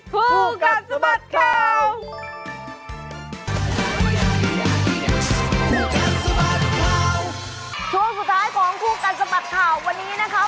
คู่กัดสะบัดข่าวช่วงสุดท้ายของคู่กัดสะบัดข่าววันนี้นะคะ